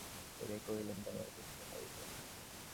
তাহাকে আপাদমস্তক নিরীক্ষণ করিয়া কহিলেন, পনেরোর বেশি হইবে না।